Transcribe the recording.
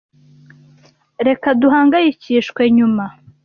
Reka duhangayikishwe nyuma.